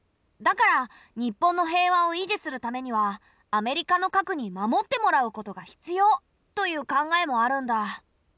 だから日本の平和を維持するためにはアメリカの核に守ってもらうことが必要という考えもあるんだ。